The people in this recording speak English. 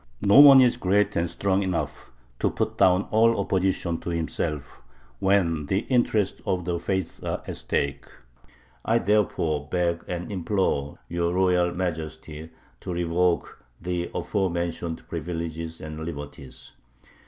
No one is great and strong enough to put down all opposition to himself when the interests of the faith are at stake. I therefore beg and implore your Royal Majesty to revoke the aforementioned privileges and liberties.